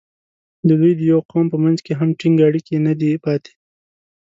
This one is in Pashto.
د دوی د یوه قوم په منځ کې هم ټینګ اړیکې نه دي پاتې.